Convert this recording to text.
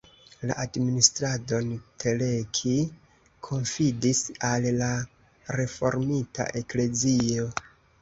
La administradon Teleki konfidis al la reformita eklezio.